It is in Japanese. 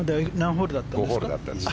５ホールだったんです。